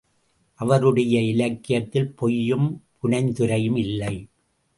அவருடைய இலக்கியத்தில் பொய்யும், புனைந்துரையும் இல்லை.